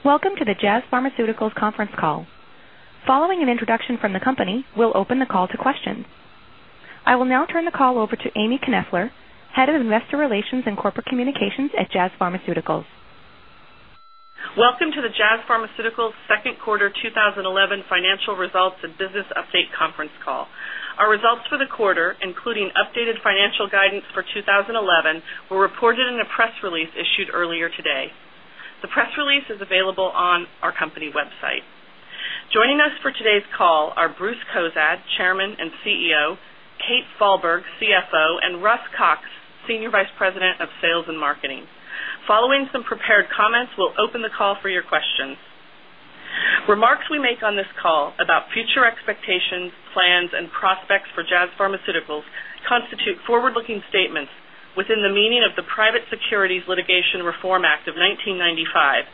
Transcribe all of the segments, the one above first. Welcome to the Jazz Pharmaceuticals conference call. Following an introduction from the company, we'll open the call to questions. I will now turn the call over to Amie Knoefler, Head of Investor Relations and Corporate Communications at Jazz Pharmaceuticals. Welcome to the Jazz Pharmaceuticals second quarter 2011 financial results and business update conference call. Our results for the quarter, including updated financial guidance for 2011, were reported in a press release issued earlier today. The press release is available on our company website. Joining us for today's call are Bruce Cozadd, Chairman and CEO, Kate Fahlberg, CFO, and Russ Cox, Senior Vice President of Sales and Marketing. Following some prepared comments, we'll open the call for your questions. Remarks we make on this call about future expectations, plans, and prospects for Jazz Pharmaceuticals constitute forward-looking statements within the meaning of the Private Securities Litigation Reform Act of 1995,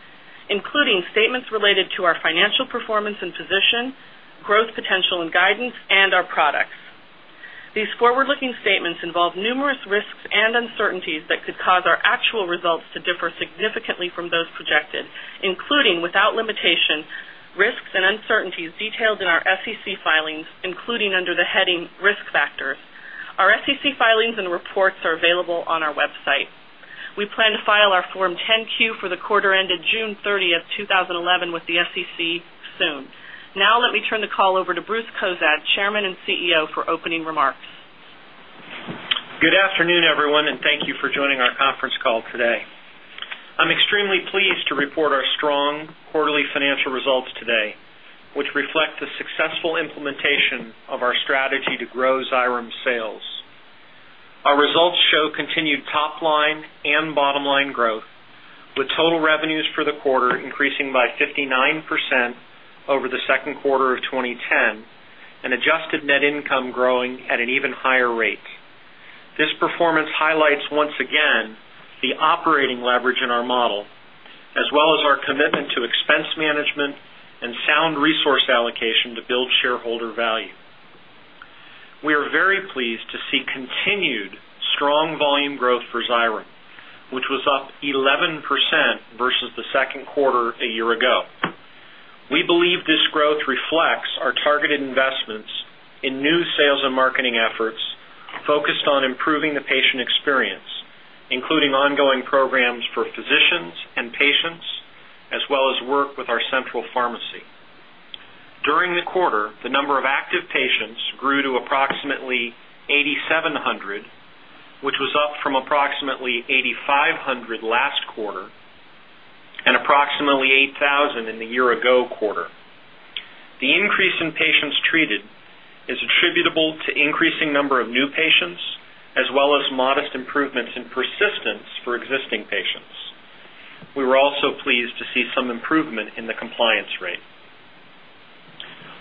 including statements related to our financial performance and position, growth potential and guidance, and our products. These forward-looking statements involve numerous risks and uncertainties that could cause our actual results to differ significantly from those projected, including, without limitation, risks and uncertainties detailed in our SEC filings, including under the heading Risk Factors. Our SEC filings and reports are available on our website. We plan to file our Form 10-Q for the quarter ended June 30, 2011 with the SEC soon. Now let me turn the call over to Bruce Cozadd, Chairman and CEO, for opening remarks. Good afternoon, everyone, and thank you for joining our conference call today. I'm extremely pleased to report our strong quarterly financial results today, which reflect the successful implementation of our strategy to grow Xyrem sales. Our results show continued top line and bottom line growth, with total revenues for the quarter increasing by 59% over the second quarter of 2010 and adjusted net income growing at an even higher rate. This performance highlights once again the operating leverage in our model, as well as our commitment to expense management and sound resource allocation to build shareholder value. We are very pleased to see continued strong volume growth for Xyrem, which was up 11% versus the second quarter a year ago. We believe this growth reflects our targeted investments in new sales and marketing efforts focused on improving the patient experience, including ongoing programs for physicians and patients, as well as work with our central pharmacy. During the quarter, the number of active patients grew to approximately 8,700, which was up from approximately 8,500 last quarter and approximately 8,000 in the year ago quarter. The increase in patients treated is attributable to increasing number of new patients as well as modest improvements in persistence for existing patients. We were also pleased to see some improvement in the compliance rate.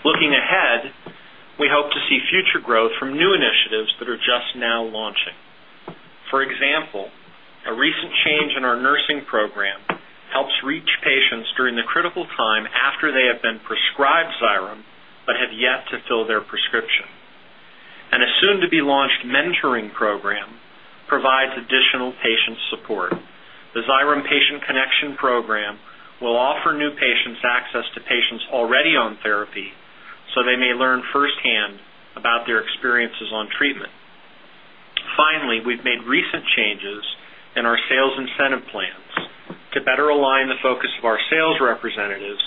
Looking ahead, we hope to see future growth from new initiatives that are just now launching. For example, a recent change in our nursing program helps reach patients during the critical time after they have been prescribed Xyrem but have yet to fill their prescription. A soon-to-be-launched mentoring program provides additional patient support. The Xyrem Patient Connection program will offer new patients access to patients already on therapy so they may learn firsthand about their experiences on treatment. Finally, we've made recent changes in our sales incentive plans to better align the focus of our sales representatives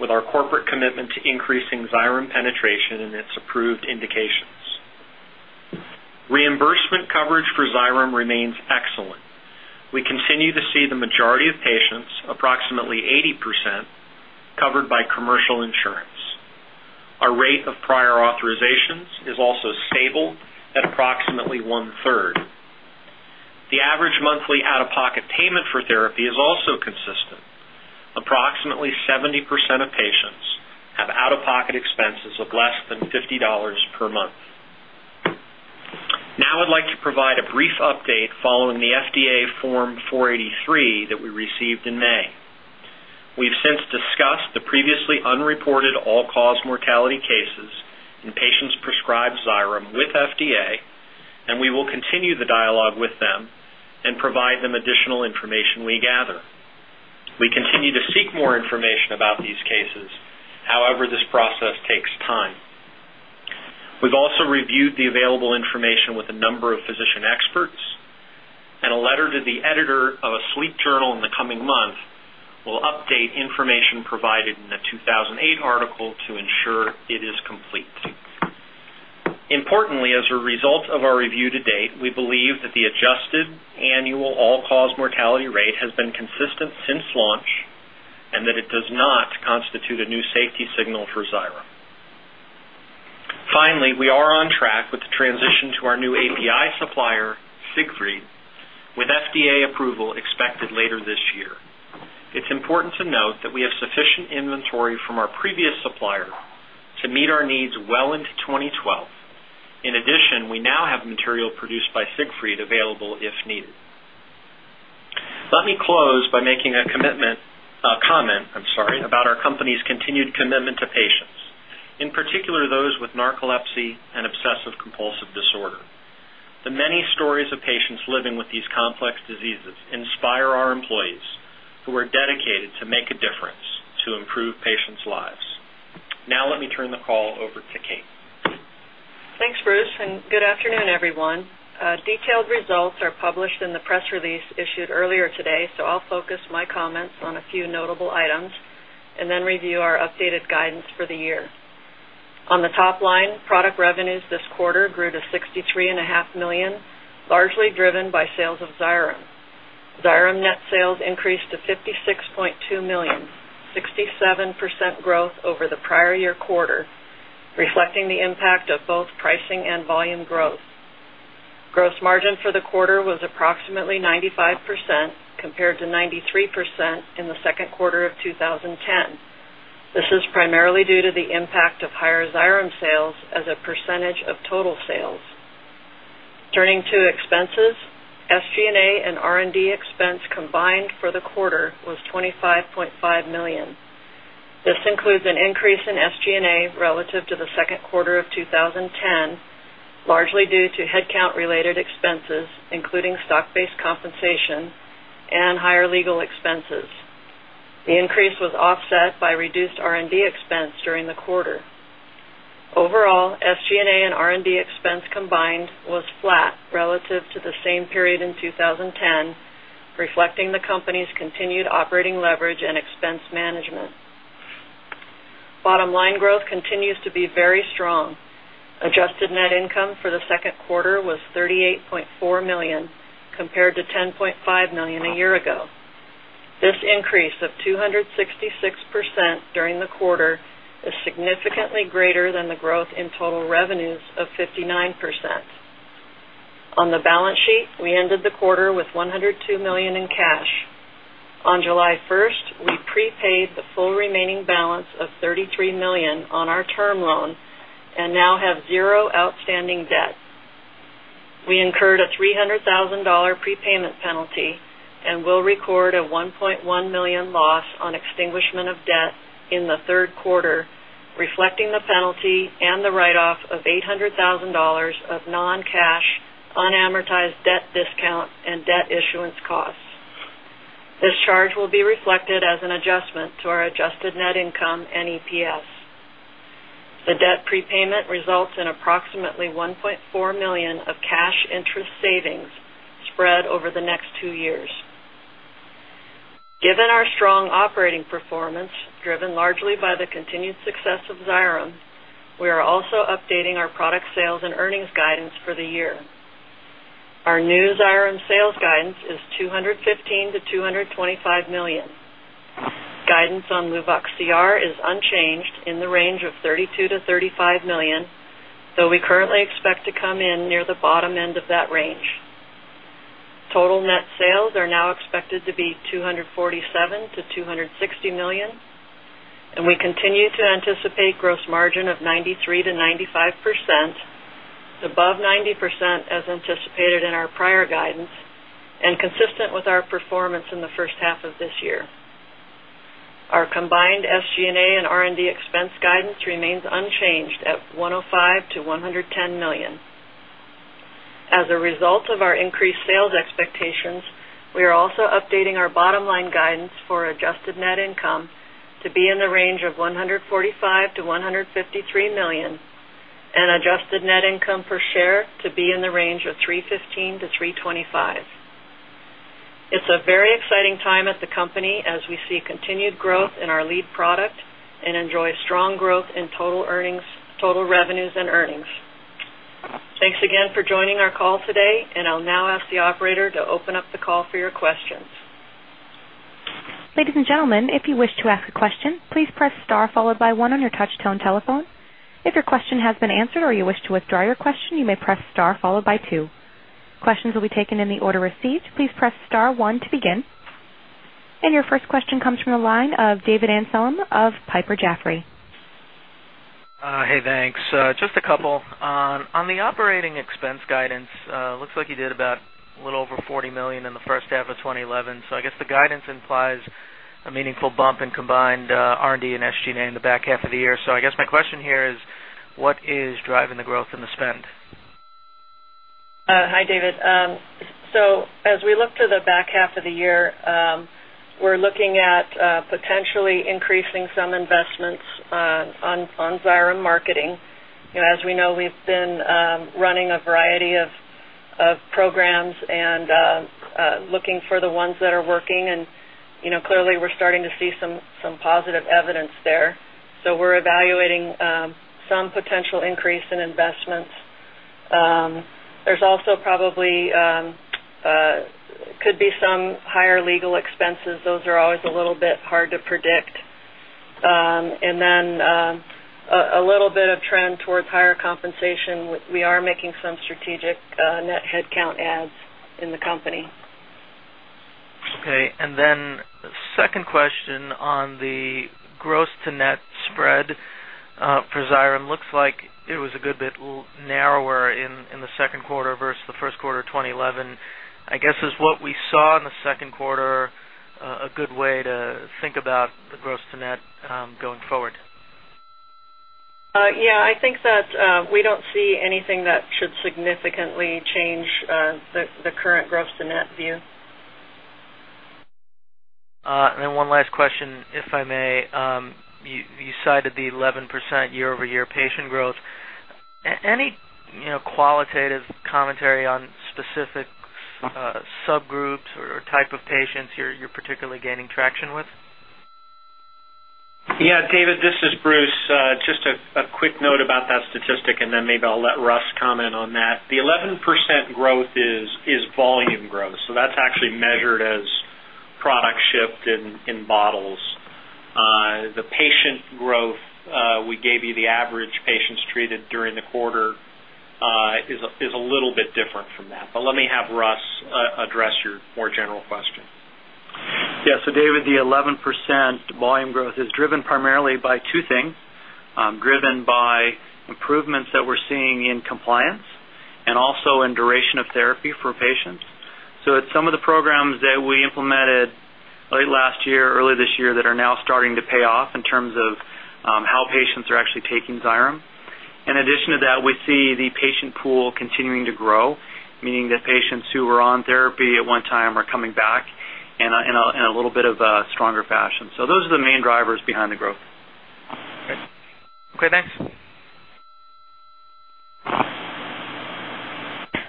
with our corporate commitment to increasing Xyrem penetration in its approved indications. Reimbursement coverage for Xyrem remains excellent. We continue to see the majority of patients, approximately 80%, covered by commercial insurance. Our rate of prior authorizations is also stable at approximately 1/3. The average monthly out-of-pocket payment for therapy is also consistent. Approximately 70% of patients have out-of-pocket expenses of less than $50 per month. Now I'd like to provide a brief update following the FDA Form 483 that we received in May. We've since discussed the previously unreported all-cause mortality cases in patients prescribed Xyrem with FDA, and we will continue the dialogue with them and provide them additional information we gather. We continue to seek more information about these cases. However, this process takes time. We've also reviewed the available information with a number of physician experts and a letter to the editor of a sleep journal in the coming months will update information provided in the 2008 article to ensure it is complete. Importantly, as a result of our review to date, we believe that the adjusted annual all-cause mortality rate has been consistent since launch and that it does not constitute a new safety signal for Xyrem. Finally, we are on track with the transition to our new API supplier, Siegfried, with FDA approval expected later this year. It's important to note that we have sufficient inventory from our previous supplier to meet our needs well into 2012. In addition, we now have material produced by Siegfried available if needed. Let me close by making a comment, I'm sorry, about our company's continued commitment to patients, in particular those with narcolepsy and obsessive compulsive disorder. The many stories of patients living with these complex diseases inspire our employees who are dedicated to make a difference to improve patients' lives. Now let me turn the call over to Kate. Thanks, Bruce, and good afternoon, everyone. Detailed results are published in the press release issued earlier today, so I'll focus my comments on a few notable items and then review our updated guidance for the year. On the top line, product revenues this quarter grew to $63.5 million, largely driven by sales of Xyrem. Xyrem net sales increased to $56.2 million, 67% growth over the prior year quarter, reflecting the impact of both pricing and volume growth. Gross margin for the quarter was approximately 95%, compared to 93% in the second quarter of 2010. This is primarily due to the impact of higher Xyrem sales as a percentage of total sales. Turning to expenses, SG&A and R&D expense combined for the quarter was $25.5 million. This includes an increase in SG&A relative to the second quarter of 2010, largely due to headcount-related expenses, including stock-based compensation and higher legal expenses. The increase was offset by reduced R&D expense during the quarter. Overall, SG&A and R&D expense combined was flat relative to the same period in 2010, reflecting the company's continued operating leverage and expense management. Bottom line growth continues to be very strong. Adjusted net income for the second quarter was $38.4 million, compared to $10.5 million a year ago. This increase of 266% during the quarter is significantly greater than the growth in total revenues of 59%. On the balance sheet, we ended the quarter with $102 million in cash. On July first, we prepaid the full remaining balance of $33 million on our term loan and now have zero outstanding debt. We incurred a $300,000 prepayment penalty and will record a $1.1 million loss on extinguishment of debt in the third quarter, reflecting the penalty and the write-off of $800,000 of non-cash, unamortized debt discount and debt issuance costs. This charge will be reflected as an adjustment to our adjusted net income and EPS. The debt prepayment results in approximately $1.4 million of cash interest savings spread over the next two years. Given our strong operating performance, driven largely by the continued success of Xyrem, we are also updating our product sales and earnings guidance for the year. Our new Xyrem sales guidance is $215 million-$225 million. Guidance on Luvox CR is unchanged in the range of $32 million-$35 million, though we currently expect to come in near the bottom end of that range. Total net sales are now expected to be $247 million-$260 million, and we continue to anticipate gross margin of 93%-95%, above 90% as anticipated in our prior guidance, and consistent with our performance in the first half of this year. Our combined SG&A and R&D expense guidance remains unchanged at $105 million-$110 million. As a result of our increased sales expectations, we are also updating our bottom line guidance for adjusted net income to be in the range of $145 million-$153 million and adjusted net income per share to be in the range of $3.15-$3.25. It's a very exciting time at the company as we see continued growth in our lead product and enjoy strong growth in total earnings, total revenues and earnings. Thanks again for joining our call today, and I'll now ask the operator to open up the call for your questions. Ladies and gentlemen, if you wish to ask a question, please press star followed by one on your touch tone telephone. If your question has been answered or you wish to withdraw your question, you may press star followed by two. Questions will be taken in the order received. Please press star one to begin. Your first question comes from the line of David Amsellem of Piper Jaffray. Hey, thanks. Just a couple. On the operating expense guidance, looks like you did about a little over $40 million in the first half of 2011. I guess the guidance implies a meaningful bump in combined R&D and SG&A in the back half of the year. I guess my question here is: What is driving the growth in the spend? Hi, David. As we look to the back half of the year, we're looking at potentially increasing some investments on Xyrem marketing. You know, as we know, we've been running a variety of programs and looking for the ones that are working. You know, clearly we're starting to see some positive evidence there. We're evaluating some potential increase in investments. There's also probably could be some higher legal expenses. Those are always a little bit hard to predict. A little bit of trend towards higher compensation. We are making some strategic net headcount adds in the company. Okay. Then second question on the gross to net spread for Xyrem. Looks like it was a good bit narrower in the second quarter versus the first quarter of 2011. I guess is what we saw in the second quarter a good way to think about the gross to net going forward? Yeah, I think that we don't see anything that should significantly change the current gross to net view. One last question, if I may. You cited the 11% year-over-year patient growth. Any, you know, qualitative commentary on specific subgroups or type of patients you're particularly gaining traction with? Yeah, David, this is Bruce. Just a quick note about that statistic, and then maybe I'll let Russ comment on that. The 11% growth is volume growth, so that's actually measured as product shipped in bottles. The patient growth, we gave you the average patients treated during the quarter, is a little bit different from that. Let me have Russ address your more general question. Yeah. David, the 11% volume growth is driven primarily by two things, driven by improvements that we're seeing in compliance and also in duration of therapy for patients. It's some of the programs that we implemented late last year, early this year that are now starting to pay off in terms of how patients are actually taking Xyrem. In addition to that, we see the patient pool continuing to grow, meaning that patients who were on therapy at one time are coming back in a little bit of a stronger fashion. Those are the main drivers behind the growth. Okay, thanks.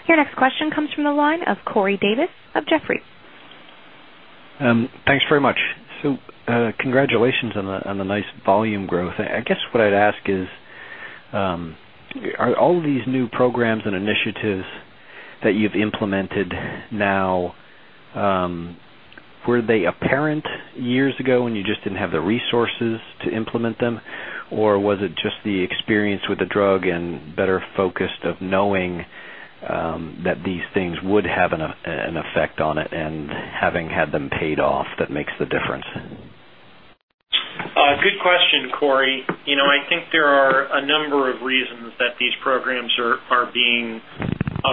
Your next question comes from the line of Corey Davis of Jefferies. Thanks very much. Congratulations on the nice volume growth. I guess what I'd ask is, are all of these new programs and initiatives that you've implemented now, were they apparent years ago when you just didn't have the resources to implement them? Or was it just the experience with the drug and better focused of knowing, that these things would have an effect on it and having had them paid off that makes the difference? Good question, Corey. You know, I think there are a number of reasons that these programs are being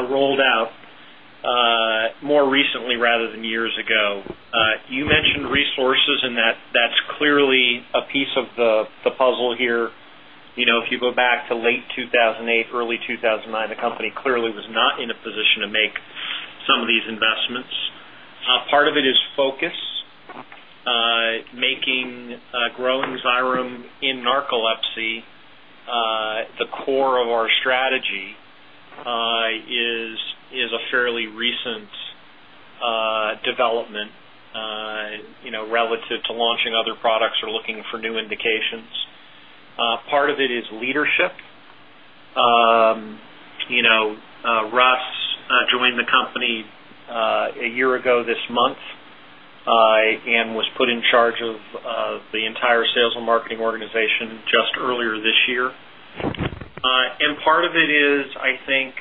rolled out more recently rather than years ago. You mentioned resources, and that's clearly a piece of the puzzle here. You know, if you go back to late 2008, early 2009, the company clearly was not in a position to make some of these investments. Part of it is focus. Making growing Xyrem in narcolepsy the core of our strategy is a fairly recent development, you know, relative to launching other products or looking for new indications. Part of it is leadership. You know, Russ joined the company a year ago this month and was put in charge of the entire sales and marketing organization just earlier this year. Part of it is, I think,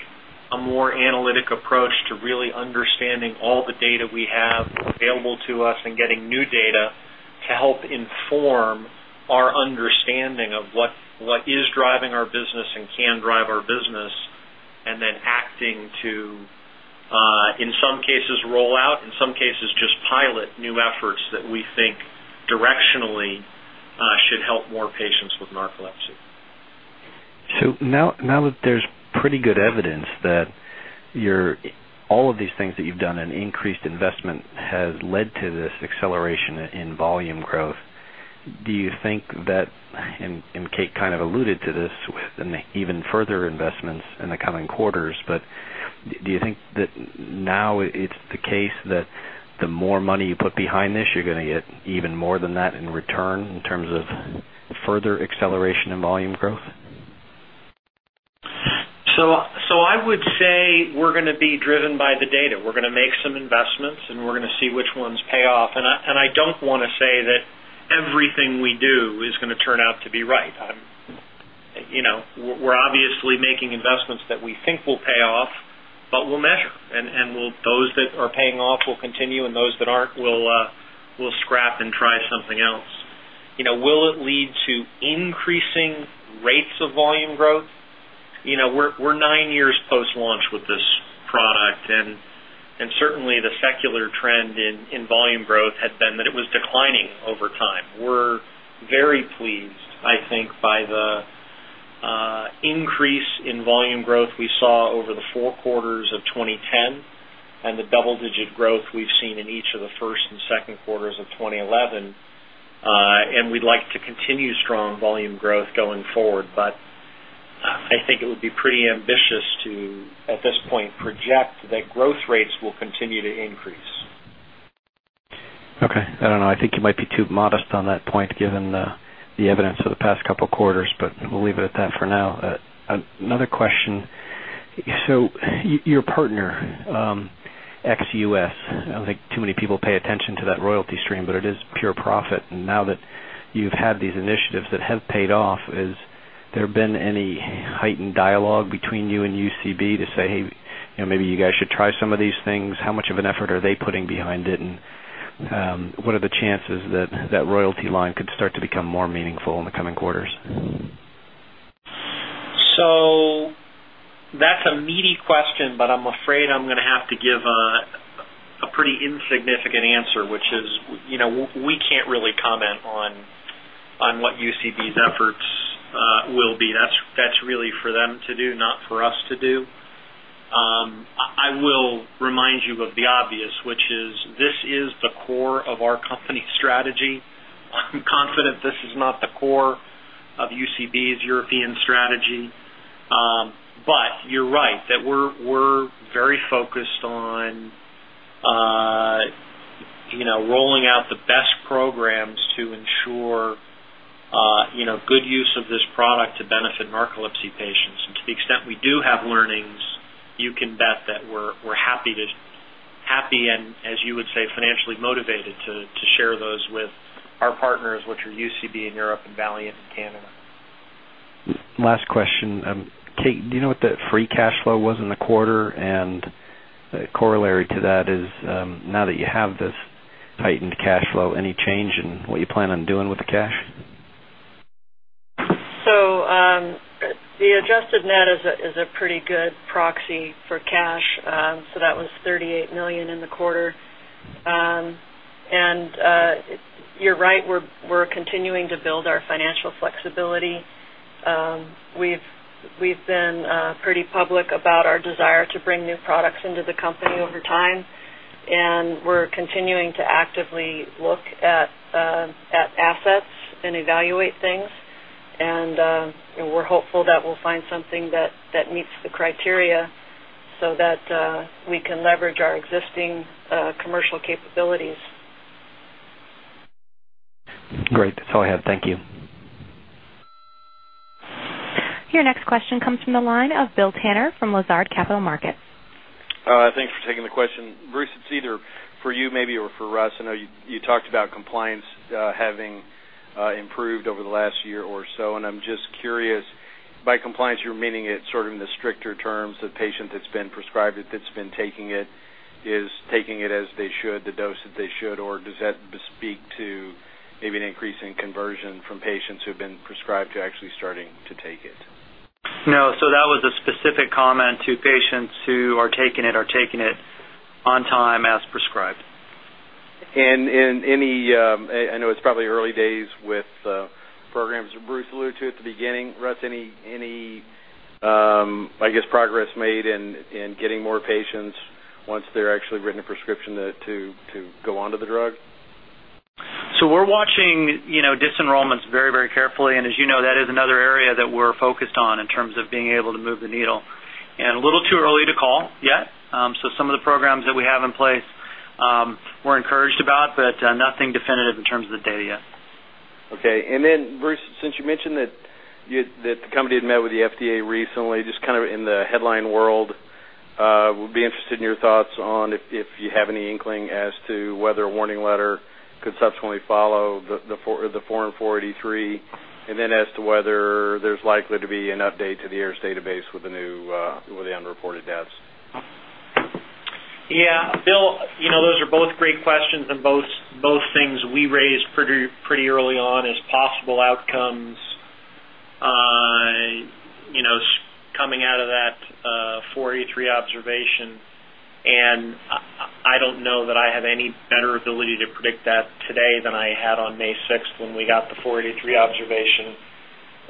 a more analytic approach to really understanding all the data we have available to us and getting new data to help inform our understanding of what is driving our business and can drive our business, and then acting to, in some cases roll out, in some cases just pilot new efforts that we think directionally should help more patients with narcolepsy. Now that there's pretty good evidence that all of these things that you've done and increased investment has led to this acceleration in volume growth, do you think that and Kate kind of alluded to this with an even further investments in the coming quarters, but do you think that now it's the case that the more money you put behind this, you're gonna get even more than that in return in terms of further acceleration and volume growth? I would say we're gonna be driven by the data. We're gonna make some investments, and we're gonna see which ones pay off. I don't wanna say that everything we do is gonna turn out to be right. You know, we're obviously making investments that we think will pay off, but we'll measure and we'll. Those that are paying off will continue, and those that aren't, we'll scrap and try something else. You know, will it lead to increasing rates of volume growth? You know, we're nine years post-launch with this product, and certainly the secular trend in volume growth had been that it was declining over time. We're very pleased, I think, by the increase in volume growth we saw over the four quarters of 2010 and the double-digit growth we've seen in each of the first and second quarters of 2011. We'd like to continue strong volume growth going forward. I think it would be pretty ambitious to, at this point, project that growth rates will continue to increase. Okay. I don't know. I think you might be too modest on that point, given the evidence of the past couple quarters, but we'll leave it at that for now. Another question. Your partner ex-US, I don't think too many people pay attention to that royalty stream, but it is pure profit. Now that you've had these initiatives that have paid off, is there been any heightened dialogue between you and UCB to say, "Hey, you know, maybe you guys should try some of these things"? How much of an effort are they putting behind it? What are the chances that that royalty line could start to become more meaningful in the coming quarters? That's a meaty question, but I'm afraid I'm gonna have to give the insignificant answer, which is we can't really comment on what UCB's efforts will be. That's really for them to do, not for us to do. I will remind you of the obvious, which is this is the core of our company strategy. I'm confident this is not the core of UCB's European strategy. But you're right, that we're very focused on you know, rolling out the best programs to ensure you know, good use of this product to benefit narcolepsy patients. And to the extent we do have learnings, you can bet that we're happy to, and as you would say, financially motivated to share those with our partners, which are UCB in Europe and Valeant in Canada. Last question. Kate, do you know what the free cash flow was in the quarter? Corollary to that is, now that you have this tightened cash flow, any change in what you plan on doing with the cash? The adjusted net is a pretty good proxy for cash. That was $38 million in the quarter. You're right, we're continuing to build our financial flexibility. We've been pretty public about our desire to bring new products into the company over time, and we're continuing to actively look at assets and evaluate things. We're hopeful that we'll find something that meets the criteria so that we can leverage our existing commercial capabilities. Great. That's all I have. Thank you. Your next question comes from the line of William Tanner from Lazard Capital Markets. Thanks for taking the question. Bruce, it's either for you maybe or for Russ. I know you talked about compliance having improved over the last year or so, and I'm just curious, by compliance, you're meaning it sort of in the stricter terms, the patient that's been prescribed it, that's been taking it, is taking it as they should, the dose that they should? Does that speak to maybe an increase in conversion from patients who've been prescribed to actually starting to take it? No. That was a specific comment to patients who are taking it on time, as prescribed. Any, I know it's probably early days with programs Bruce alluded to at the beginning. Russ, any, I guess progress made in getting more patients once they're actually written a prescription to go onto the drug? We're watching, you know, dis-enrollments very, very carefully. As you know, that is another area that we're focused on in terms of being able to move the needle. A little too early to call yet. Some of the programs that we have in place, we're encouraged about, but, nothing definitive in terms of the data yet. Okay. Bruce, since you mentioned that the company had met with the FDA recently, just kind of in the headline world, would be interested in your thoughts on if you have any inkling as to whether a warning letter could subsequently follow the Form 483, and then as to whether there's likely to be an update to the AERS database with the new unreported deaths. Yeah. Bill, you know, those are both great questions and both things we raised pretty early on as possible outcomes, you know, coming out of that Form 483 observation. I don't know that I have any better ability to predict that today than I had on May sixth when we got the Form 483 observation.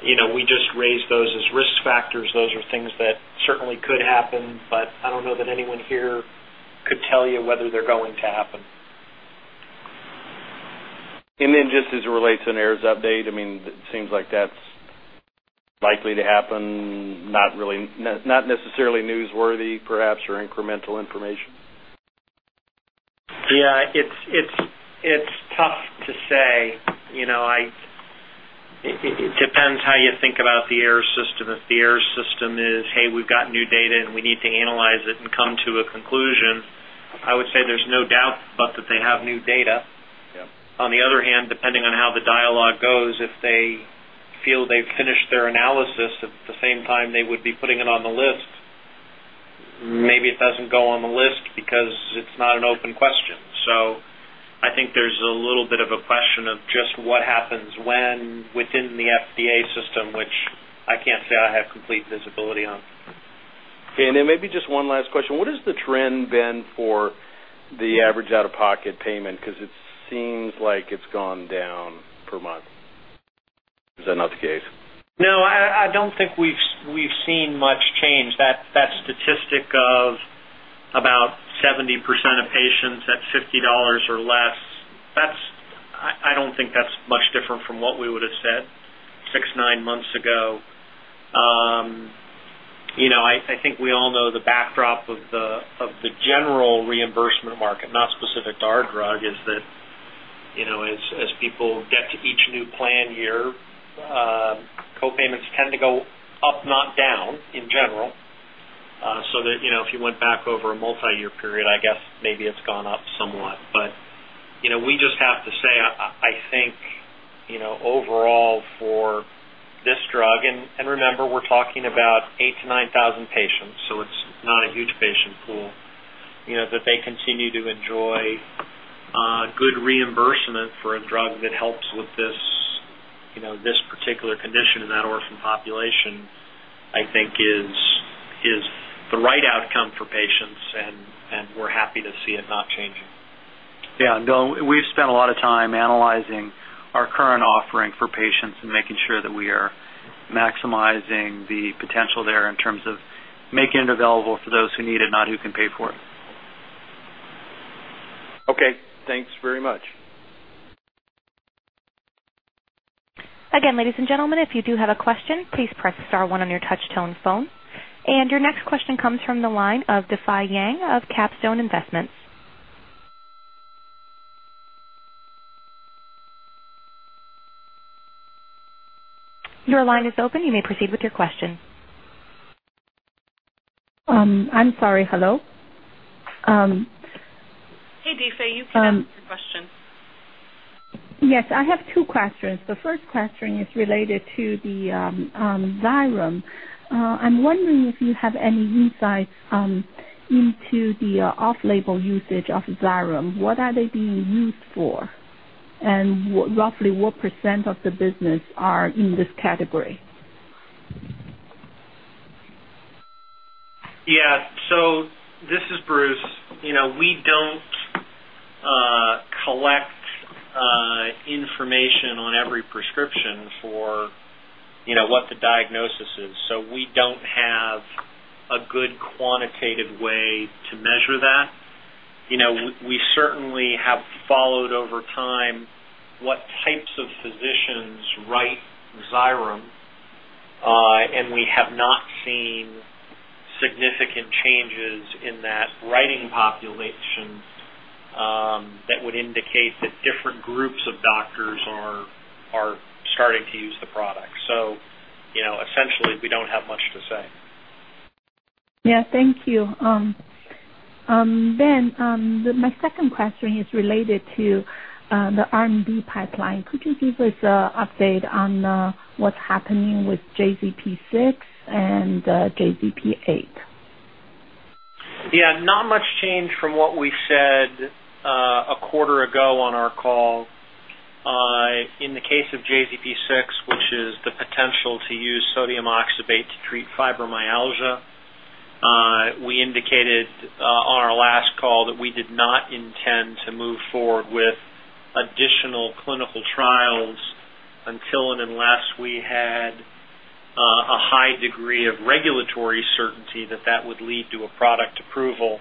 You know, we just raised those as risk factors. Those are things that certainly could happen, but I don't know that anyone here could tell you whether they're going to happen. Just as it relates to an AERS update, I mean, it seems like that's likely to happen, not really, not necessarily newsworthy perhaps, or incremental information. Yeah, it's tough to say. You know, it depends how you think about the AERS system. If the AERS system is, hey, we've got new data and we need to analyze it and come to a conclusion, I would say there's no doubt about that they have new data. Yeah. On the other hand, depending on how the dialogue goes, if they feel they've finished their analysis at the same time they would be putting it on the list, maybe it doesn't go on the list because it's not an open question. I think there's a little bit of a question of just what happens when within the FDA system, which I can't say I have complete visibility on. Okay. Maybe just one last question. What has the trend been for the average out-of-pocket payment? 'Cause it seems like it's gone down per month. Is that not the case? No, I don't think we've seen much change. That statistic of about 70% of patients at $50 or less, that's, I don't think that's much different from what we would have said 6-9 months ago. You know, I think we all know the backdrop of the general reimbursement market, not specific to our drug, is that, you know, as people get to each new plan year, co-payments tend to go up, not down in general. That, you know, if you went back over a multi-year period, I guess maybe it's gone up somewhat. you know, we just have to say, I think, you know, overall for this drug, and remember, we're talking about 8-9 thousand patients, so it's not a huge patient pool, you know, that they continue to enjoy good reimbursement for a drug that helps with this. You know, this particular condition in that orphan population, I think is the right outcome for patients and we're happy to see it not changing. Yeah. No, we've spent a lot of time analyzing our current offering for patients and making sure that we are maximizing the potential there in terms of making it available for those who need it, not who can pay for it. Okay. Thanks very much. Again, ladies and gentlemen, if you do have a question, please press star one on your touch-tone phone. Your next question comes from the line of Difei Yang of Capstone Investments. Your line is open. You may proceed with your question. I'm sorry. Hello? Hey, Difei. You can ask your question. Yes, I have two questions. The first question is related to the Xyrem. I'm wondering if you have any insights into the off-label usage of Xyrem. What are they being used for? Roughly what percent of the business are in this category? Yeah. This is Bruce. You know, we don't collect information on every prescription for, you know, what the diagnosis is. We don't have a good quantitative way to measure that. You know, we certainly have followed over time what types of physicians write Xyrem, and we have not seen significant changes in that writing population, that would indicate that different groups of doctors are starting to use the product. You know, essentially, we don't have much to say. Yeah. Thank you. My second question is related to the R&D pipeline. Could you give us an update on what's happening with JZP-6 and JZP-8? Yeah. Not much change from what we said a quarter ago on our call. In the case of JZP-6, which is the potential to use sodium oxybate to treat fibromyalgia, we indicated on our last call that we did not intend to move forward with additional clinical trials until and unless we had a high degree of regulatory certainty that that would lead to a product approval.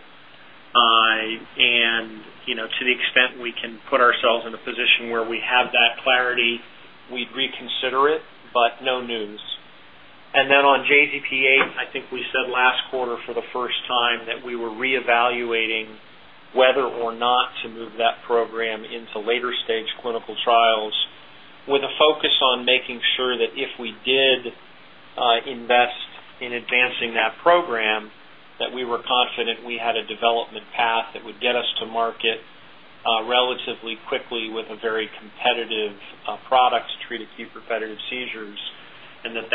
You know, to the extent we can put ourselves in a position where we have that clarity, we'd reconsider it, but no news. On JZP-8, I think we said last quarter for the first time that we were reevaluating whether or not to move that program into later stage clinical trials with a focus on making sure that if we did invest in advancing that program, that we were confident we had a development path that would get us to market relatively quickly with a very competitive product to treat acute repetitive seizures, and that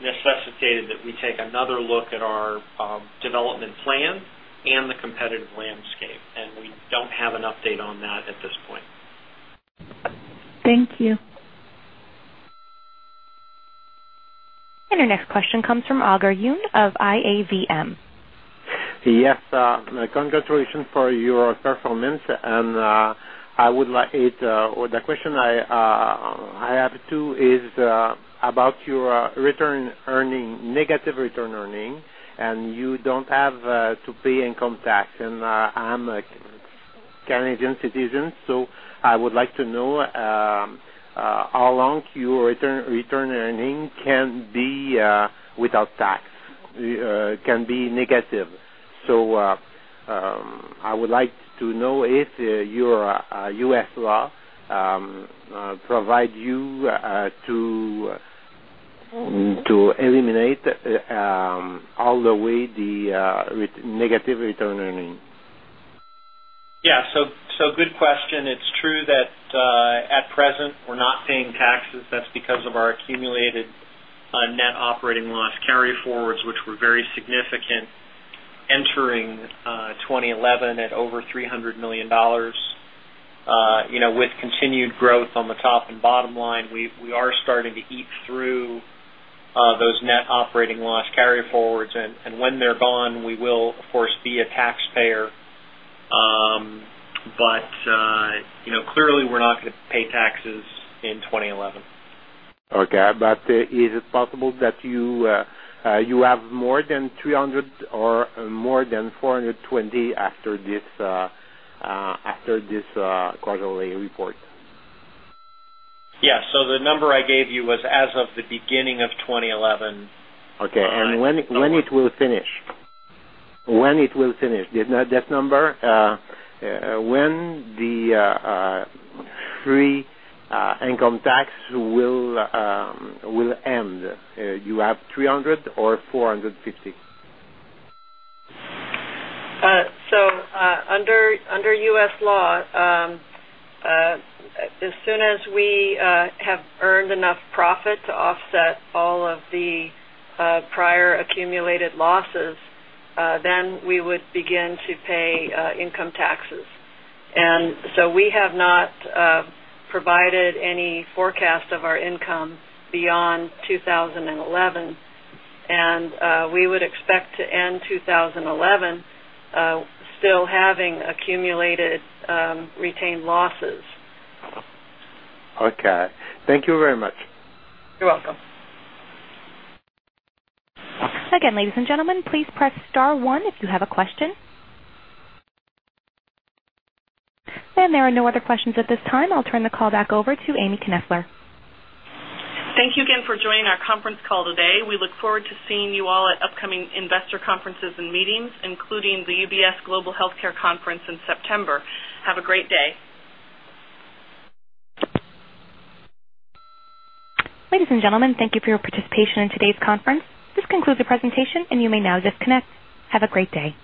necessitated that we take another look at our development plan and the competitive landscape. We don't have an update on that at this point. Thank you. Our next question comes from Auger Yoon of IAVM. Yes. Congratulations for your performance. The question I have is about your retained earnings, negative retained earnings, and you don't have to pay income tax. I'm a Canadian citizen, so I would like to know how long your retained earnings can be negative without tax. I would like to know if your U.S. law provides you to eliminate all the way the negative retained earnings. Yeah. Good question. It's true that, at present, we're not paying taxes. That's because of our accumulated net operating loss carryforwards, which were very significant entering 2011 at over $300 million. You know, with continued growth on the top and bottom line, we are starting to eat through those net operating loss carryforwards. When they're gone, we will, of course, be a taxpayer. Clearly we're not gonna pay taxes in 2011. Okay. Is it possible that you have more than 300 or more than 420 after this quarterly report? Yeah. The number I gave you was as of the beginning of 2011. Okay. When it will finish? When it will finish, this number you have 300 or 450. Under U.S. law, as soon as we have earned enough profit to offset all of the prior accumulated losses, then we would begin to pay income taxes. We have not provided any forecast of our income beyond 2011. We would expect to end 2011 still having accumulated retained losses. Okay. Thank you very much. You're welcome. Again, ladies and gentlemen, please press star one if you have a question. There are no other questions at this time. I'll turn the call back over to Amie Knoefler. Thank you again for joining our conference call today. We look forward to seeing you all at upcoming investor conferences and meetings, including the UBS Global Healthcare Conference in September. Have a great day. Ladies and gentlemen, thank you for your participation in today's conference. This concludes the presentation, and you may now disconnect. Have a great day.